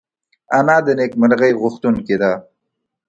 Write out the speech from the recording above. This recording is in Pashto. انا د نېکمرغۍ غوښتونکې ده